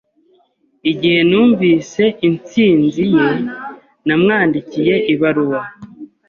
Igihe numvise intsinzi ye, namwandikiye ibaruwa.